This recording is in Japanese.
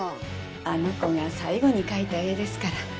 あの子が最後に描いた絵ですから。